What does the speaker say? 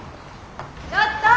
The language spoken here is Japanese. ちょっと！